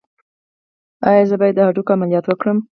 ایا زه باید د هډوکو عملیات وکړم؟